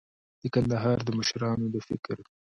د کندهار د مشرانو د فکر